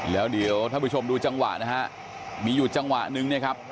แล้วเดี๋ยวท่านผู้ชมดูจังหวะนะฮะมีอยู่จังหวะนึงเนี่ยครับ